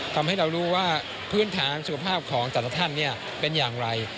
ทำให้เรารู้ว่าพื้นฐานสุขภาพของแต่ละท่านเป็นอย่างไร